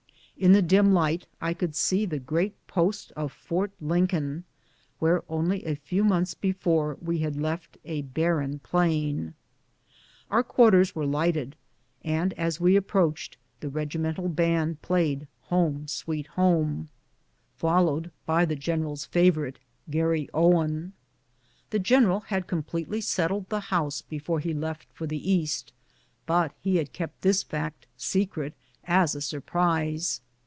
In the dim light I could see the great post of Fort Lincoln, where only a few mouths before we had left a barren plain. Our quarters were light ed, and as we approached, the regimental band played "Home, Sweet Home," followed by the general's fa vorite, " Garryowen." The general had completely settled the house before he left for the East, but he had kept this fact secret, as a surprise.